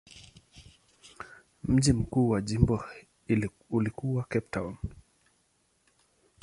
Mji mkuu wa jimbo ulikuwa Cape Town.